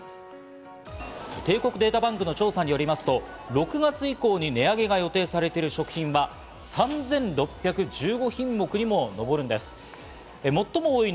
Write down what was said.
帝国データバンクの調査によりますと、６月以降に値上げが予定されている食品は３６１５品目にも上るんです。